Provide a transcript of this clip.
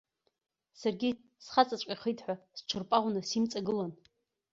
Саргьы схаҵаҵәҟьахеит ҳәа сҽырпаӷәны симҵагылан.